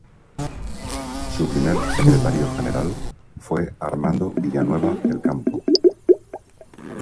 Su primer Secretario General fue Armando Villanueva del Campo.